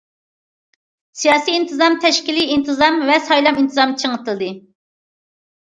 سىياسىي ئىنتىزام، تەشكىلىي ئىنتىزام ۋە سايلام ئىنتىزامى چىڭىتىلدى.